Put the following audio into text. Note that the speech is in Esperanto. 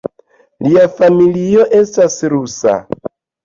Lia familio estas rusa.